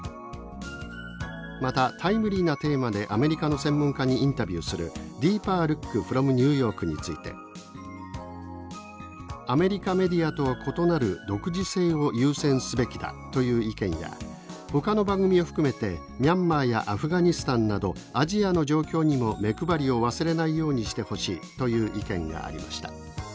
またタイムリーなテーマでアメリカの専門家にインタビューする「ＤｅｅｐｅｒＬｏｏｋｆｒｏｍＮｅｗＹｏｒｋ」について「アメリカメディアとは異なる独自性を優先すべきだ」という意見や「ほかの番組を含めてミャンマーやアフガニスタンなどアジアの状況にも目配りを忘れないようにしてほしい」という意見がありました。